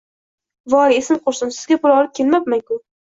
Vo-o-y, esim qursin, sizga pul olib kelmabman-ku